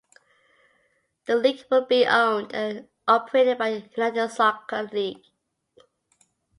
The league will be owned and operated by the United Soccer League.